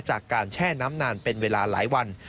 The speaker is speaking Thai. แช่น้ำนานเป็นเวลาหลายวัน